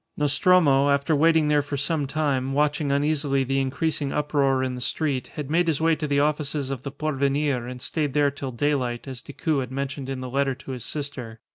Nostromo, after waiting there for some time, watching uneasily the increasing uproar in the street, had made his way to the offices of the Porvenir, and stayed there till daylight, as Decoud had mentioned in the letter to his sister.